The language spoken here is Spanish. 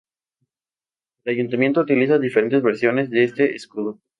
El ayuntamiento utiliza diferentes versiones de este escudo.